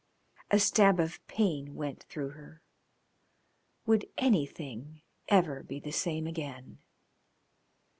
A stab of pain went: through her. Would anything ever be the same again?